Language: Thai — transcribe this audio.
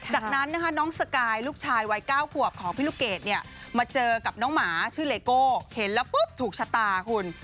จากนั้นนะคะน้องสกายลูกชายวัย๙ขวบของพี่ลูกเกดเนี่ยมาเจอกับน้องหมาชื่อเลโก้เห็นแล้วปุ๊บถูกชะตาคุณ